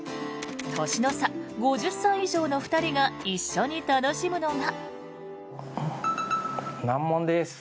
年の差５０歳以上の２人が一緒に楽しむのが。